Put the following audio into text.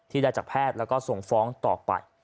ได้จากแพทย์แล้วก็ส่งฟ้องต่อไป